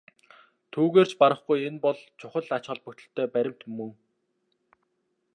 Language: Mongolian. Түүгээр ч барахгүй энэ бол чухал ач холбогдолтой баримт мөн.